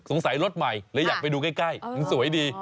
สงสัยรถใหม่เลยอยากไปดูใกล้สวยดี